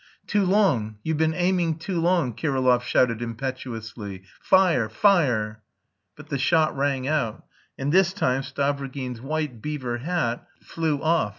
"Too long; you've been aiming too long!" Kirillov shouted impetuously. "Fire! Fire!" But the shot rang out, and this time Stavrogin's white beaver hat flew off.